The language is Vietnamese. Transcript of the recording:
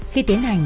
khi tiến hành